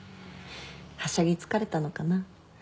はしゃぎ疲れたのかな？